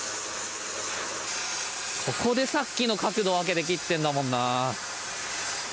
ここでさっきの角度分けて切ってんだもんな。